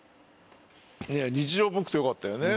いや日常っぽくてよかったよね。